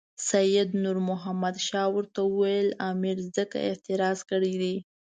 سید نور محمد شاه ورته وویل امیر ځکه اعتراض کړی دی.